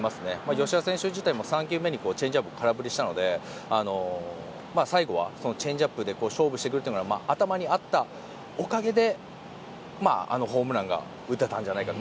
吉田選手自身も３球目にチェンジアップを空振りしたので最後は、そのチェンジアップで勝負してくるというのは頭にあったおかげであのホームランが打てたんじゃないかと。